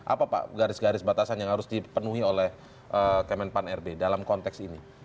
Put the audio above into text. apa pak garis garis batasan yang harus dipenuhi oleh kemenpan rb dalam konteks ini